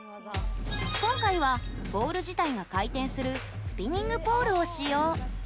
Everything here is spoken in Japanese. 今回は、ポール自体が回転するスピニングポールを使用。